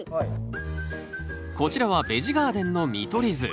こちらはベジ・ガーデンの見取り図。